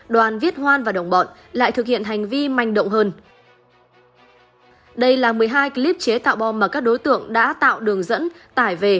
đoàn viết hoan và đồng bọn lại thực hiện hành vi đại dịch dân tộc